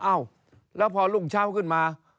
เอ้าแล้วพอรุ่งเช้าขึ้นมา